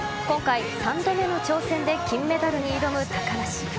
今回、３度目の挑戦で金メダルに挑む高梨。